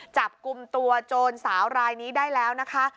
จับกลุ่มตัวโจรสาวรายนี้ได้แล้วนะคะ